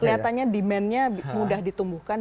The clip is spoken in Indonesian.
kelihatannya demandnya mudah ditumbuhkan